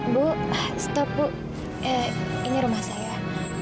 bu stop bu ini rumah saya